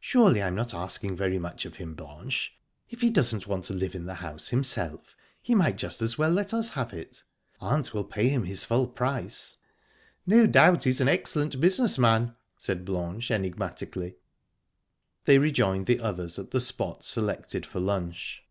"Surely, I'm not asking very much of him, Blanche? If he doesn't want to live in the house himself, he might just as well let us have it. Aunt will pay him his full price." "No doubt he's an excellent business man," said Blanche enigmatically. They rejoined the others at the spot selected for lunch.